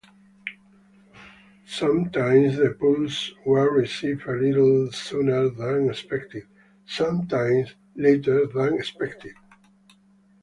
Sometimes, the pulses were received a little sooner than expected; sometimes, later than expected.